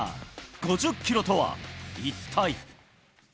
５０キロとは一体。